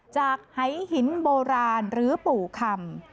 หายหินโบราณหรือปู่คำ